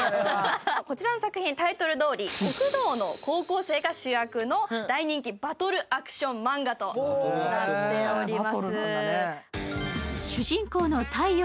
こちらの作品、タイトルどおり極道の高校生が主役の大人気バトルアクションマンガとなっております。